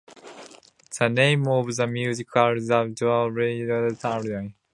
The name of the municipality was derived from a traditional loom called "tagudan".